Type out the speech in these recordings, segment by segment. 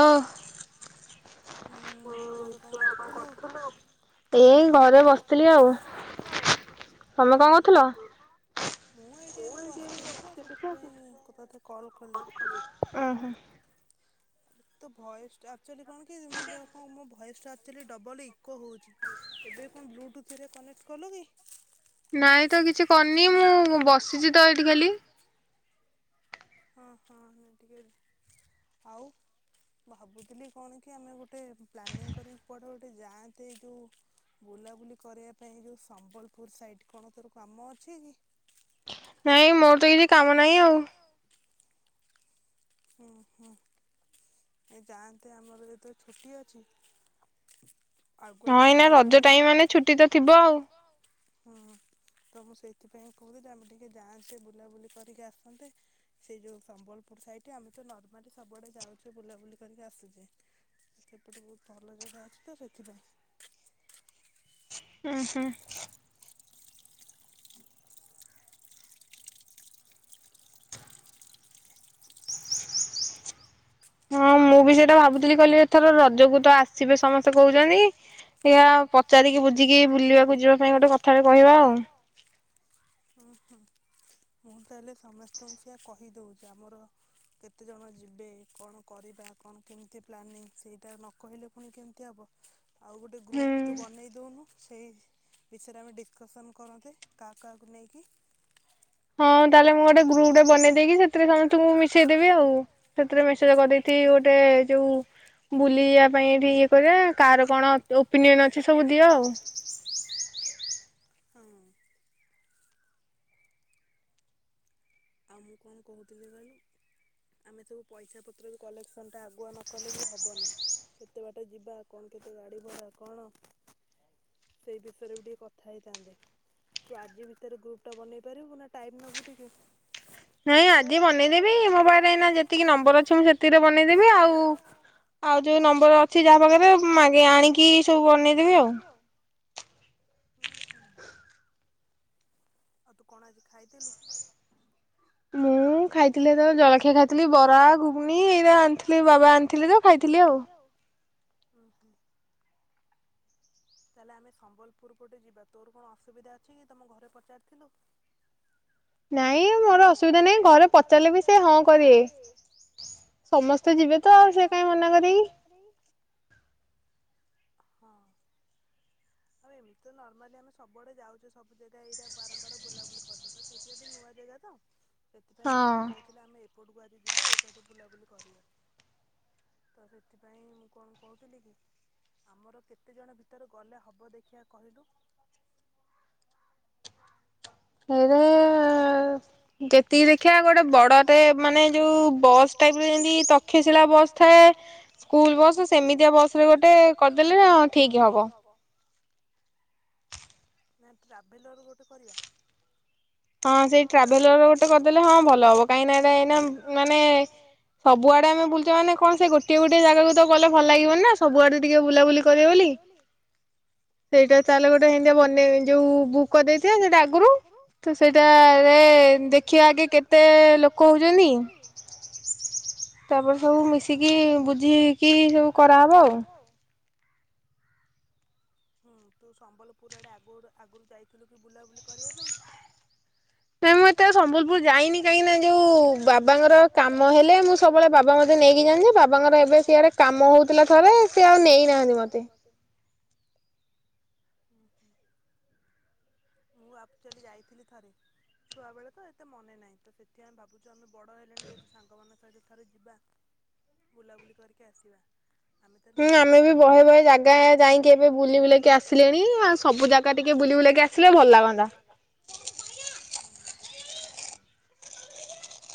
ଓ ଏଇ ଘରେ ବ ମୁଁ ଏଇଠି ଏବେ ବସିଥିଲି ତ ସେଥିପାଇଁ ତତେ କଲ କଲି ତଏସଚୁ କଣ କି ମାନଣ ମଏସାଡଲ ଇ ହଉଛି ଏବେ କଣ ବ୍ଲୁଟୁରେ କନେକ୍ କଲୁ କି ନାଇଁ ତ କିଛି କରିନି ମୁଁ ବସିଛି ତ ଏଇଠି ଖାଲି ହଁ ହଁ ଟିକେ ଆଉ ଭାବୁଥିଲି କଣ କି ଆମେ ଗୋଟେ ପ୍ଲାନିଂ କରିକି କୁଆଡ଼େ ଗୋଟେ ଯାଆନ୍ତ ଏଇ ଯେଉ ବୁଲାବୁଲି କରିବା ପାଇଁ ଯେଉଁ ସମ୍ବଲପୁର ସାଇଡ଼୍ କଣ ତୋର କାମ ଅଛି କି? ନାଇଁ ମୋର ତ କିଛି କାମ ନାହିଁ ଆଉ ହୁଁ ହୁଁ ଏ ଯାଆନ୍ତେ ଆମର ଯେତେବେ ଛୁଟି ଅଛି। ନାଇଁ ନା ରଜ ଟାଇମ୍ ମାନେ ଛୁଟି ତ ଥିବ ଆଉ ହୁଁ ତ ମୁଁ ସେଇଥିପାଇଁ କହୁଥିଲି ଆମେ ଟିକିେ ଯାଆନ୍ତେ ବୁଲାବୁଲି କରିକି ଆସନ୍ତେ ସେ ଯେଉଁ ସମ୍ବଲପୁର ସାଇଡ଼୍ ଏଠ ଆମେ ତ ନର୍ମାଲି ସବୁଆଡେ ଯାଉଛେ ବୁଲାବୁଲି କରିକି ଆସୁଛେ ସେପଟେ ବହୁତ ଭଲ ଜାଗା ଅଛି ତ ସେଥିପାଇଁ। ହଁ ହଁ। ହଁ ମୁଁ ବି ସେଇଟା ଭାବୁଥିଲି କହିଲି ଏଥର ରଜକୁ ତ ଆସିବେ ସମସ୍ତେ କହୁଛନ୍ତି ଏଇୟା ପଚାରିକି ବୁଝିକି ବୁଲିବାକୁ ଯିବା ପାଇଁ ଗୋଟେ କଥାଟେ କହିବା ଆଉ। ମୁଁ ତା ହେଲେ ସମସ୍ତଙ୍କୁ ସେଆ କହିଦେଉଛି ଆମର କେତେଜଣ ଯିବେ କଣ କରିବା କଣ କେମିତି ପ୍ଲାନିଂ ସେଇଟା ନ କହିଲେ ପୁଣି କେମିତି ହେବ। ଆଉ ଗୋଟେ ଗ୍ରୁପ ତୁ ବନେଇ ଦଉନୁ। ସେଇ ବିଷୟରେ ଆମେ ଡିସକସନ୍ କରନ୍ତେ କାହା କାହାକୁ ନେଇକି ହଁ ତାହେଲେ ମୁଁ ଗୋଟେ ଗ୍ରୁପଟେ ବନେଇ ଦେଇେଇକି ସେଥିରେ ସମସ୍ତଙ୍କୁ ମିଶେଇଦବି ଆଉ ସେଥିରେ ମେସେଜ କରିଦେଇଥିବି ଗୋଟେ ଯୋଉ ବୁଲିବା ପାଇଁ ଏଠି ଇଏ କରିବା କାହାର କଣ ଓପିନିଅନ ଅଛି ସବୁ ଦିଅ ଆଉ। ଆଉ ମୁଁ କଣ କହୁଥିଲି କହିଲୁ ଆମେ ସବୁ ପଇସା ପତ୍ର କଲେକ୍ସନ ଟା ଆଗୁଆ ନ କଲେ ବି ହବନି କେତେ ବାଟ ଯିବା କଣ କେତେ ଗାଡ଼ି ଭଡ଼ା କଣ ସେଇ ବିଷୟରେ ବି ଟିକେ କଥା ହେଇଥାନ୍ତେ ତୁ ଆଜି ଭିତରେ ଗ୍ରୁପ ଟା ବନେଇ ପାରିବୁ ନା ଟାଇମ ନେବୁ ଟିକେ? ନାଇଁ ଆଜି ବନେଇଦେବି ମୋ ପାଖରେ ଏଇନା ଯେତିକି ନମ୍ବର ଅଛି ମୁ ସେତିରେ ବନେଇଦେବି ଆଉ ଆଉ ଯୋଉ ନମ୍ବର ଅଛି ଯାହା ପାଖରେମାଗି ଆଣିକି ସବୁ ବନେଇଦେବି ଆଉ। [unintelligible] ଆଉ ତୁ କଣ ଆଜି ଖାଇଥିଲୁ? ମୁଁ ଖାଇଥିଲି ହେତେବେଳେ ଜଳଖିଆ ଖାଇଥିଲି ବରା ଘୁଗୁନି ଏଇଟା ଆଣିଥିଲି ବାବା ଆଣିଥିଲେ ତ ଖାଇଥିଲି ଆଉ। ହୁଁ ତାହେଲେ ଆମେ ସମ୍ବଲପୁର ଗୋଟେ ଯିବା ତୋର କଣ ଅସୁବିଧା ଅଛି କି ତମ ଘରେ ପଚାର ଥିଲୁ ନାଇଁ ମୋର ଅସୁବିଧା ନାଇଁ ଘରେ ପଚାରିଲେ ବି ସେ ହଁ କରିବେ ସମସ୍ତେ ଯିବେ ତ ଆଉ ସେ କହିଁ ମନା କରିବେ କି। ହଁ ଆଉ ଏମିତି ତ ନର୍ମାଲି ଆମେ ସବୁଆଡେ ଯାଉଛେ ସବୁ ଜାଗା ଏଇରା ବାରମ୍ବାର ବୁଲାବୁଲି କରିଦେଲେ ତ ସେଇଠି ନୂଆ ଜାଗା ତ ସେଥିପାଇଁ ଛୁଆ କହୁଥିଲେ ଆମେ ଏପଟକୁ ଆଜି ଯିବା ଏପଟକୁ ବୁଲାବୁଲି କରିବା ତ ସେଥିପାଇଁ ମୁଁ କଣ କହୁଥିଲି କି ଆମର କେତେଜଣ ଭିତରେ ଗଲେ ହବ ଦେଖିଆ କହିଲୁ? [unintelligible] ଯେତିକି ଦେଖିବା ଗୋଟେ ବଡଟେ ମାନେ ଯୋଉ ବସ୍ ଟାଇପ ଯେମିତି ତକ୍ଷଶିଳା ବସ୍ ଥାଏ ସ୍କୁଲ ବସ୍ ସେମିତିଆ ବସ ରେ ଗୋଟେ କରିଦେଲେ ଠିକ ହବ। ନା ଟ୍ରାଭେଲର ଗୋଟେ କରିବା? ହଁ ସେଇ ଟ୍ରାଭେଲର ଗୋଟେ କରିଦେଲେ ହଁ ଭଲ ହବ କାହିଁକି ନା ଏଇଟା ଏଇନା ମାନେ ସବୁଆଡେ ଆମେ ବୁଲଛେ ମାନେ କଣ ସେ ଗୋଟଏ ଗୋଟଏ ଜାଗାକୁ ତ ଗଲେ ଭଲ ଲାଗିବନି ନା ସବୁଆଡେ ଟିକେ ବୁଲାବୁଲି କରିବେ ବୋଲି ସେଇଟା ଚାହଲେ ଗୋଟେ ମାନେ ଯୋଉ ବୁକ ଦେଇଥିବା ସେ ଆଗରୁ। ତ ସେଇଟାରେ ଦେଖିବା ଆଗେ କେତେ ଲୋକ ହଉଛନ୍ତି ତାପରେ ସବୁ ମିଶିକି ବୁଝିକି ସବୁ କରାହେବ ଆଉ। ହୁଁ ତୁ ସମ୍ବଲ ପୁର ଆଡେ ଆଗ ଆଗରୁ ଯାଇଥିଲୁ କି ବୁଲାବୁଲି କରିବା ପାଇଁ ନାଇ ମୁଁ ଏତେ ସମ୍ବଲପୁର ଯାଇନି କାହିଁକି ଯୋଉ ବାବାଙ୍କର କାମ ହେଲେ ମୁଁ ସବୁବେଳେ ବାବା ମତେ ନେଇକି ଯାଣି ଯେ ବାବାଙ୍କର ଏବେ ସିଆଡେ କାମ ହଉଥିଲା ଥରେ ସେଏ ଆଉ ନେଇନାହାନ୍ତି ମତେ। [inaudible] ମୁଁ ଆକଚୁଆଲି ଯାଇଥିଲି ଥରେ ଛୁଆ ବେଳେ ତ ଏତେ ମନେ ନାହିଁ ତ ସେଠି ଆମେ ଭାବୁଛୁ ଆମେ ବଡ଼ ହେଲେଣି ଯେହେତୁ ସାଙ୍ଗମାନେ କହିଲି ଥରେ ଯିବା ବୁଲାବୁଲି କରିକି ଆସିବା। ହୁଁ ଆମେ ବି ବହେ ବହେ ଜାଗା ଯାଇଁକି ଏବେ ବୁଲି ବୁଲେଇକି ଆସିଲେଣି ଆଉ ସବୁ ଜାଗା ଟିକେ ବୁଲି ବୁଲକି ଆସିଲେ ଭ ସିଲେ ଭଲ ଲାଗନ୍ତା।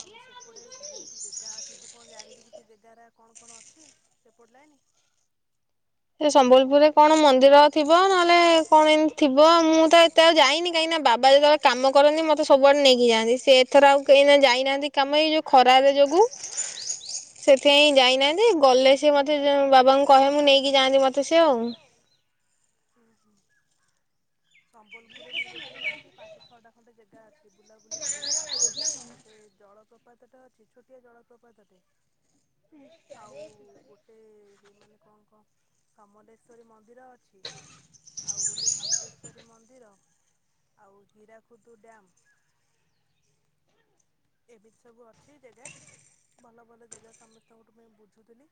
ଆଉ ସେପଟେ ବହୁତ ଜେଗା ଅଛି ତୁ କଣ ଜାଣିଛୁ କି ସେ ଜାଗା କଣ କଣ ଅଛି ସେପଟେ ଲାଇନି? ସେ ସମ୍ବଲପୁରରେ କଣ ମନ୍ଦିର ଥିବ ନହେଲେ କଣ ଏମିତି ଥିବ ମୁଁ ତ ଏତେ ଆଉ ଯାଇନି କାହିଁକିନା ବାବା ଯେତେବେଳେ କାମ କରନ୍ତି ମତେ ସବୁଆଡେ ନେଇକି ଯାଆନ୍ତି ସେ ଏଥର ଆଉ କେହି ଯାଇନାହାନ୍ତି କାମ ଏଇ ଯୋଉ ଖରାରେ ଯୋଗୁ ସେଥିପାଇଁ ଯାଇନାହାନ୍ତି ଗଲେ ସ ମତେ ବାବାଙ୍କୁ କହେ ମୁଁ ନେଇି କି ଯାଆନ୍ତି ମତେ ସେ ଆଉ। ହୁଁ ହୁଁ ସମ୍ବଲପୁରରେ ମୁଁ ଯେତିକି ଜାଣିଛି ପାଞ୍ଚ ଛଅଟା ଖଣ୍ଡେ ଜାଗା ଅଛି ବୁଲାବୁଲି କରିବା ପାଇଁ। ଗୋଟେ ଜଳପ୍ରପାତ ଟା ଅଛି ଛୋଟିଆ ଜଳପ୍ରପାତଟେ ଆଉ ଗୋଟେ ସେ ମାନେ କଣ କଣ ସମଲେଶ୍ଵରୀ ମନ୍ଦିର ଅଛି ଆଉ ଗୋଟେ ଘଣ୍ଟେଶ୍ଵରୀ ମନ୍ଦିର ଆଉ ହୀରାକୁଦୁ ଡ୍ୟାମ୍ ଏମିତି ସବୁ ଅଛି ଜାଗା ଭଲ ଭଲ ଜାଗା ସମସ୍ତଙ୍କଠୁ ମୁଁ ବୁଝୁଥିଲି,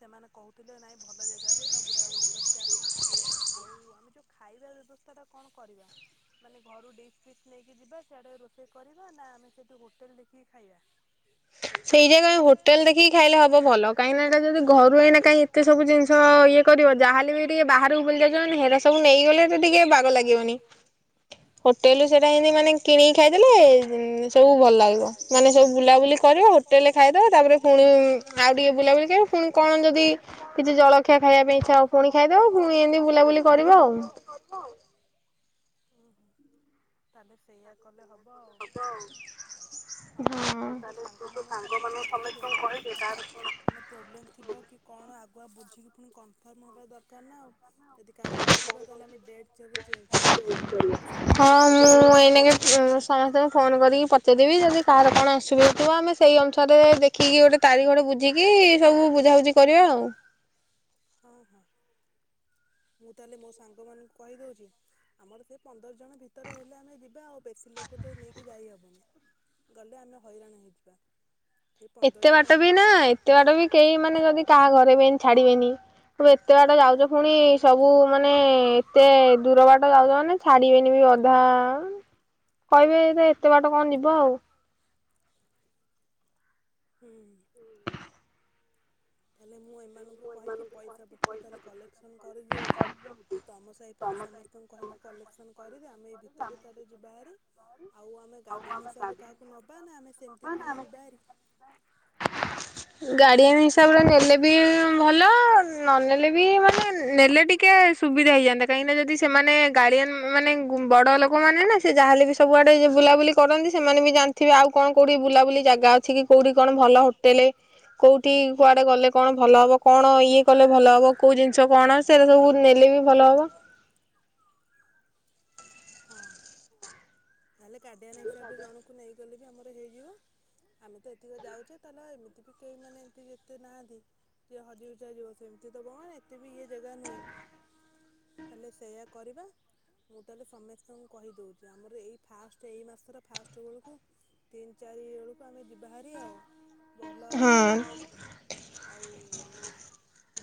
ସେମାନେ କହୁଥିଲେ ନାଇଁ ଭଲ ଜାଗା ଅଛି ତୋମେ ବୁଲାବୁଲି କରିକି ଆସ, ଆଉ ଆମେ ଯୋଉ ଖାଇବା ବ୍ୟବସ୍ଥା ଟା କଣ କରିବା ମାନେ ଘରୁ ଡିସ୍ ଫିସ୍ ନେଇକି ଯିବା ସିଆଡେ ରୋଷେଇ କରିବା ନା ଆମେ ସେଠୁ ହୋଟେଲ୍ ଦେଖିକି ଖାଇବା। ସେଇ ଜାଗାରେ ହୋଟେଲ୍ ଦେଖିକି ଖାଇଲେ ହବ ଭଲ, କାହିଁକି ନା ଏଇଟା ଯଦି ଘରୁ ଏଇନା କାହିଁ ଏତେ ସବୁ ଜିନିଷ ଇଏ କରିବ ଯାହେଲେ ବି ଟିକେ ବାହାରକୁ ବୁଲି ଯାଇଚେ ମାନେ ହେରା ସବୁ ନେଇକି ଗଲେ ଟିକେ ବାଗ ଲାଗିବନି ହୋଟେଲ୍ ରୁ ସେଟା ହେନେ ମାନେ କିଣିକି ଖାଇଦେଲେ ଉଁ, ସବୁ ଭଲ ଲାଗିବ ମାନେ ସବୁ ବୁଲାବୁଲି କରିବ ହୋଟେଲ୍ ରେ ଖାଇଦବା ତାପରେ ପୁଣି ଆଉ ଟିକେ ବୁଲାବୁଲି କରିବା, ପୁଣି କଣ ଯଦି କିଛି ଜଳଖିଆ ଖାଇବା ପାଇଁ ଇଚ୍ଛା ହବ ପୁଣି ଖାଇଦବା, ପୁଣି ଏମିତି ବୁଲାବୁଲି କରିବା ଆଉ। ତାହାଲେ ସେଇଆା କଲେ ହବ। ଆଉ ତାହାଲେ ତୁ ତୋ ସାଙ୍ଗ ମାନଙ୍କୁ ସମସ୍ତଙ୍କୁ କହିଦେ କାହାର କଣ ମାନେ ପ୍ରୋବ୍ଲେମ୍ ଥିବ କି କଣ ଆ ତୁ ଆ ବୁଝିକି ପୁଣି କନଫର୍ମ ହବା ଦରକାର ନା। ଯଦି କାହାର କଣ ଥିବ ତାହେଲେ ଆମେ ଡେଟ୍ ସବୁ ଚେଞ୍ଜ କରିବା, ତୋ ସାଙ୍ଗମାନଙ୍କୁ ତୁ କହିଚୁ ଯଦି ବି ଯଦି କାହାର କଣ ଆସୁବିଧା ଥିବ, ଆମେ ସେଇ ଅନୁସାରେ ଦେଖିକି ଗୋଟେ ତାରିଖଟେ ବୁଝିକି ସବୁ ବୁଝାବୁଝି କରିବା ଆଉ। ହଁ ହଁ ମୁଁ ତାହାଲେ ମୋ ସାଙ୍ଗମାନଙ୍କୁ କହିଦଉଚି, ଆମର ସେ ପନ୍ଦର ଜଣ ଭିତରେ ହେଲେ ଆମେ ଯିବା ଆଉ ବେଶୀ ଲୋକ ତ ନେଇକି ଯାଇହବନି, ଗଲେ ଆମେ ହଇରାଣ ହେଇଯିବା। ଏତେ ବାଟ ବି ନା ଏତେ ବାଟ ବି କେଇ ମାନେ ଯଦି କାହା ଘରେ ବି ଏନ୍ ଛାଡିବେନି, ତୁ ଏତେ ବାଟ ଯାଉଚୁ ଫୁଣି ଏ ସବୁ ମାନେ ଏତେ ଦୂର ବାଟ ଯାଉଚ ମାନେ ଛାଡିବେନି ବି ଅଧା ଆନ୍ କହିବେ ଏ ସେ ଏତେ ବାଟ କଣ ଯିବ ଆଉ। ହୁଁ। ତାହାଲେ ମୁଁ ମୁଁ ଏମାନଙ୍କୁ କହିକି ପଇସା ପତ୍ର ତାହେଲେ କଲେକ୍ସନ୍ କରିଦେଉଚି, ତୁ ତୋମ ସାହିପଟେ ସମସ୍ତଙ୍କୁ କହିକି କଲେକ୍ସନ୍ କରିଦେ ଆମେ ଏଇ ଭିତରେ ତାହେଲେ ଯିବା ଭାରି। ଆଉ ଆମେ ଗାର୍ଡିଆନ ହିସାବରେ କାହାକୁ ନବା ନା ଆମେ ସେମିତି ଖାଲି ଯିବା ଭାରି? ଗାଡ଼ିଆନ୍ ହିସାବରେ ନେଲେ ବି ଭଲ ନ ନେଲେ ବି ମାନେ ନେଲେ ଟିକେ ସୁବିଧା ହେଇଯାଆନ୍ତା, କାହିଁକିନା ଯଦି ସେମାନେ ଗାଡ଼ିଆନ୍ ମାନେ ଗୋ-ବଡ଼ ଲୋକମାନେ ନା ସେ ଯାହେଲେ ବି ସବୁଆଡେ ଯା ବୁଲାବୁଲି କରନ୍ତି ସେମାନେ ବି ଜାଣିଥିବେ ଆଉ କଣ କୋଉଠି ବୁଲାବୁଲି ଜାଗା ଅଛି କି କୋଉଠି କଣ ଭଲ ହୋଟେଲେ, କୋଉଠି କୁଆଡେ ଗଲେ କଣ ଭଲ ହବ, କଣ ଇଏ କଲେ ଭଲ ହବ, କୋଉ ଜିନିଷ କଣ ସେଟା ସବୁ ନେଲେ ବି ଭଲ ହବ। ହଁ। ତାହାଲେ ଗାର୍ଡିଆନ୍ ହିସାବରେ ଜଣ କୁ ନେଇି ଗଲେ ବି ଆମର ହେଇଯିବ, ଆମେ ତ ଏତିକି ଯାଉଚେ ତାହେଲେ ଏମିତି ବି କେହିମାନେେ ଏମତିକି ଏତେ ନାହାନ୍ତି, କିଏ ହଜି ହୁଜା ଯିବ ସେମିତି ତ [unintelligible] ଏତେ ବି ଇଏ ଜାଗା ନୁହେଁ, ତାହେଲେ ସେୟା କରିବା ମୁଁ ତାହାଲେ ସମସ୍ତଙ୍କୁ କହିଦଉଚି, ଆମର ଏଇ ଫାଷ୍ଟ ଏଇ ମାସର ଫାଷ୍ଟ ବେଳକୁ ତିନ ଚାରି ବେଳକୁ ଆମେ ଯିବ ବାହାରି ଆଉ ଭଲ ହବ ଆଉ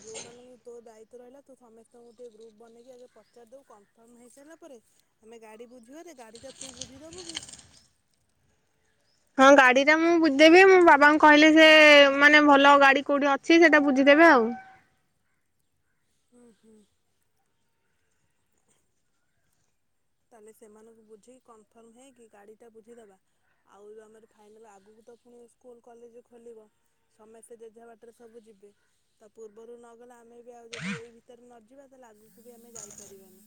ଯୋଉ ମାନଙ୍କୁ ତୋ ଦାୟିତ୍ୟ ରହିଲା ତୁ ସମସ୍ତଙ୍କୁ ଟିକେ ଗ୍ରୁପ ବନେଇକି ଆଗ ପଚାରି ଦବୁ, କନଫର୍ମ ହେଇସାରିଲା ପରେ ଆମେ ଗାଡି ବୁଝିବା ଯେ ଗାଡିଟା ତୁ ବୁଝି ଦବୁକି? ହଁ ଗାଡି ଟା ମୁଁ ବୁଝିଦେବି, ମୋ ବାବାଙ୍କୁ କହିଲେ ସେ ମାନେ ଭଲ ଗାଡି କୋଉଠି ଅଛି ସେଟା ବୁଝିଦେବେ ଆଉ। ହୁଁ, ହୁଁ। ତାହେଲେ ସେମାନଙ୍କୁ ବୁଝିକି କନଫର୍ମ ହେଇକି ଗାଡ଼ିଟା ବୁଝିଦବା। ଆଉ ଆମର ଫାଇନାଲ୍ ଆଗକୁ ତ ପୁଣି ସ୍କୁଲ୍ କଲେଜ୍ ଖୋଲିବ ସମସ୍ତେ ଜେଝା ବାଟରେ ସବୁ ଯିବେ, ତ ପୂର୍ବରୁ ନଗଲେ ଆମେ ବି ଆଉ ଯଦି ଏଇ ଭିତରେ ନ ଯିବା ତାହେଲେ ଆଗକୁ ବି ଆମେ ଯାଇପାରିବାନି।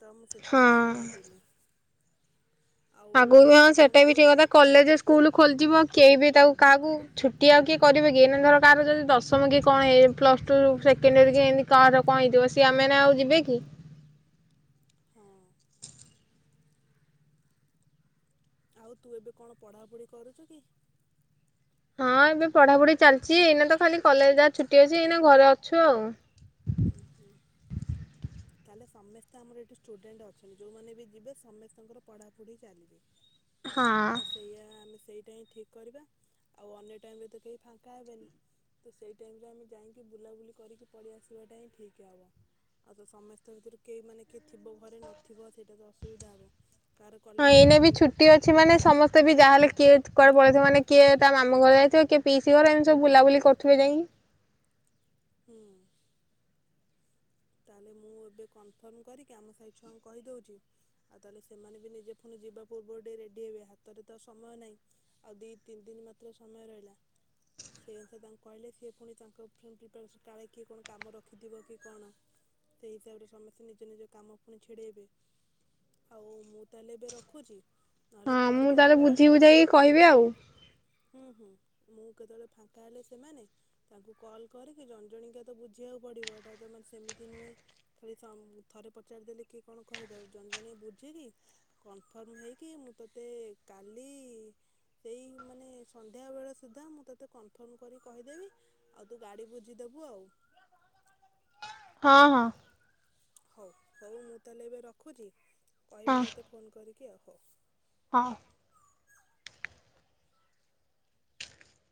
ତ ମୁଁ ସେଥିପାଇଁ କହୁଥିଲି। ଆଗକୁ ହଁ ସେଟା ବି ଠିକ୍ କଥା କଲେଜ୍ ସ୍କୁଲ୍ ଖୋଲିଯିବ କେହି ବି ତାକୁ କାହାକୁ ଛୁଟି ଆଉ କିଏ କରିବେ କି ଏଇ ମାନେ ଧର କାହାର ଯଦି ଦଶମ କି କଣ ଏ ପ୍ଲସ୍ ଟୁ ସେକେଣ୍ଡାରୀ ଯେ ଏମି କାହାର କଣ ହେଇଥିବ, ସିଏ ଆମେ ମାନେ ଆଉ ଯିବେ କି। ଆଉ ତୁ ଏବେ କଣ ପଢାପଢ଼ି କରୁଛୁ କି? ହଁ ଏବେ ପଢାପଢି ଚାଲିଛି ଏଇନା ତ ଖାଲି କଲେଜ ଯା ଛୁଟି ଅଛି ଏଇନା ଘରେ ଅଛୁ ଆଉ। ଓ ହୁଁ ତାହେଲେ ସମସ୍ତେ ଆମର ଏଠି ଷ୍ଟୁଡେଣ୍ଟ୍ ଅଛନ୍ତି। ଯୋଉମାନେ ବି ଯିବେ ସମସ୍ତଙ୍କର ପଢ଼ାପଢ଼ି ଚାଲିବେ। ତ ସେଇୟା ଆମେ ସ ସେଇଟା ହିଁ ଠିକ୍ କରିବା। ଆଉ ଅନ୍ୟ ଟାଇମ୍ ରେ ତ କେହି ଫାଙ୍କା ହେବେନି ତ ସେହି ଟାଇମ୍ ରେ ଆମେ ଯାଇକି ବୁଲାବୁଲି କରିକି ପଳେଇଆସୁ [unintelligible] ହିଁ ଠିକ୍ ହେବ। ଆଉ ତ ସମସ୍ତେଙ୍କର କେହି ମାନେ କିଏ ଥିବ ଘରେ ନଥିବ ସେଇଟା ତ ଅସୁବିଧା ହେବ। ହଁ ଏଇନା ବି ଛୁଟି ଅଛି ମାନେ ସମସ୍ତେ ବି ଯାହାହେଲେ କିଏ କୁଆଡେ ପଳେଇଥିବ ମାନେ କିଏ ତା ମାମୁଁ ଘର ଯାଇଥିବ, କିଏ ପିଇସୀ ଘର ଏମିତି ସବୁ ବୁଲାବୁଲି କରୁଥିବେ ଯାଇ ହୁଁ ତା ହେଲେ ମୁଁ ଏବେ କନଫର୍ମ କରିକି ଆମ ସାହି ଛୁଆଙ୍କୁ କହିଦେଉଛି। ଆଉ ତା ହେଲେ ସେମାନେ ବି ନିଜେ ଫୁଣି ଯିବା ପୂର୍ବରୁ ଟିକେ ରେଡ଼ି ହେବେ ହାତରେ ତ ସମୟ ନାହିଁ। ଆଉ ଦି ତିନି ଦିନ ମାତ୍ର ସମୟ ରହିଲା। ସେ ଅନୁସାରେ ତାଙ୍କୁ କହିଲେ ସିଏ ପୁଣି ତାଙ୍କ ଫ ପ୍ରିପାରେସନ୍ କାଳେ କିଏ କଣ କାମ ରଖିଥିବ କି କଣ। ସେଇ ହିସାବରେ ସମସ୍ତେ ନିଜ ନିଜ କାମ ପୁଣି ଛିଡେଇବେ। ଆଉ ମୁଁ ତାହେଲେ ଏବେ ରଖୁଛି। ହଁ ମୁଁ ତାହେଲେ ବୁଝି ବୁଝାଇକି କହିବି ଆଉ। ହୁଁ ହୁଁ ମୁଁ କେତେବେଳେ ଫାଙ୍କା ହେଲେ ସେମାନେ ତାଙ୍କୁ କଲ୍ କରିକି ଜଣଜଣିକିଆ ତ ବୁଝେଇବାକୁ ପଡିବ ଏଟା ତ ସେମିତି [unintelligible] ଥରେ ପଚାରିଦେଲେ କି କଣ କହିଦେଉ। ଜଣେ ଜଣେ ବୁଝିକି କନଫର୍ମ ହେଇକି ମୁଁ ତୋତେ କାଲି ଇ ସେଇ ମାନେ ସନ୍ଧ୍ୟାବେଳ ସୁଦ୍ଧା ମୁଁ ତୋତେ କନଫର୍ମ କରିକି କହିଦେବି। ଆଉ ତୁ ଗାଡ଼ି ବୁଝିଦେବୁ ଆଉ। ହଁ ହଁ। ହଉ ହଉ ମୁଁ ତାହେଲେ ଏବେ ରଖୁଛି। କହିବି ତତେ ଫୋନ କରି ହଁ।